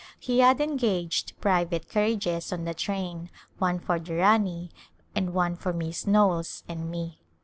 He had engaged private carriages on the train, one for the Rani and one for Miss Knowles and me.